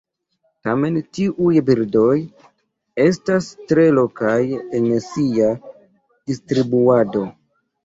Tamen tiuj birdoj estas tre lokaj en sia distribuado.